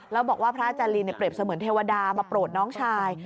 แล้วบอกว่าพระอาจารย์ลีนเปรียบเสมือนเทวดามาโปรดน้องชาย